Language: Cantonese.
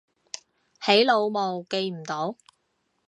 起腦霧記唔到